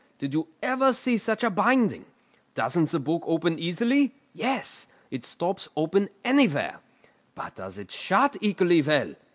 Did you ever see such a binding? Doesn't the book open easily? Yes; it stops open anywhere. But does it shut equally well?